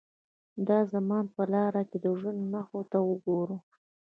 د زمان پر لارو که د ژوند نښو ته وګورو.